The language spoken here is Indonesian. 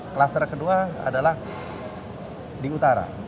kluster kedua adalah di utara